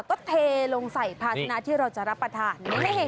ก็เทลงใส่ภาชนะที่เราจะรับประทาน